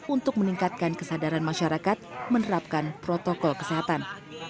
untuk meningkatkan kesadaran masyarakat menerapkan protokol kesehatan